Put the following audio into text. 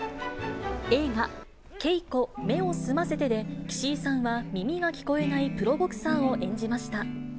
映画、ケイコ目を澄ませてで岸井さんは耳が聞こえないプロボクサーを演じました。